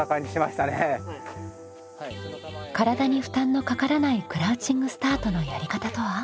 体に負担のかからないクラウチングスタートのやり方とは？